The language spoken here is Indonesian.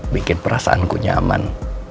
bikin perasaanku nyaman